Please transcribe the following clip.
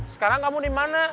sekarang kamu di mana